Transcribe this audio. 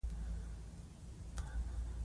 سیلابونه د افغانستان د طبیعي زیرمو یوه برخه ده.